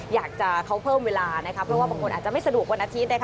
อยากจะเขาเพิ่มเวลาเพราะว่าบางคนอาจจะไม่สะดวกวันอาทิตย์